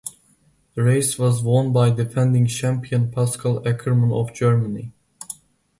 The race was won by defending champion Pascal Ackermann of Germany.